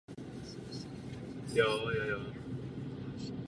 Mimo jiné bylo tehdy na východní straně rezidence naplánováno nové velké křídlo budovy.